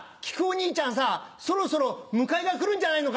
兄ちゃんさそろそろ迎えが来るんじゃないのかな。